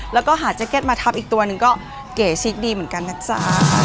แล้วก็หาแจ็กเก็ตมาทับอีกตัวหนึ่งก็เก๋ชิกดีเหมือนกันนะจ๊ะ